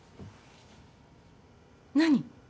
何？